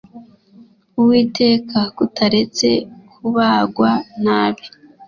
Uwiteka kutaretse kubagwa nabi